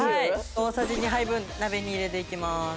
大さじ２杯分鍋に入れていきます。